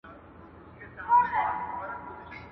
نن به سي، سبا به سي؛ در بې کو پيدا به سي.